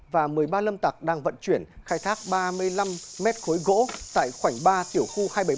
và một mươi ba lâm tạc đang vận chuyển khai thác ba mươi năm mét khối gỗ tại khoảnh ba tiểu khu hai trăm bảy mươi bảy